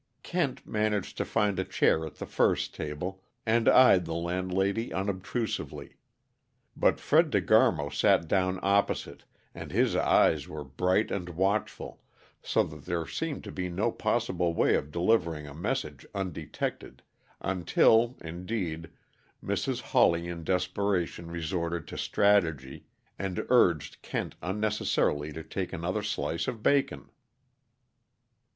Kent managed to find a chair at the first table, and eyed the landlady unobtrusively. But Fred De Garmo sat down opposite, and his eyes were bright and watchful, so that there seemed no possible way of delivering a message undetected until, indeed, Mrs. Hawley in desperation resorted to strategy, and urged Kent unnecessarily to take another slice of bacon.